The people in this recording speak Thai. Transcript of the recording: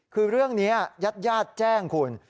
คือเรื่องนี้ญาติแจ้งคุณ